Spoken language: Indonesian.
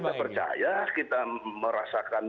karena kita percaya kita merasakan